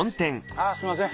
あぁすいません。